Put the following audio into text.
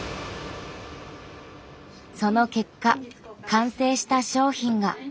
その結果完成した商品が。